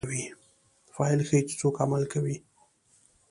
فاعل ښيي، چي څوک عمل کوي.